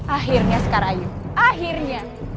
akhirnya sekarang ayu akhirnya